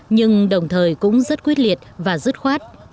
nhưng đồng thời cũng rất quyết liệt và dứt khoát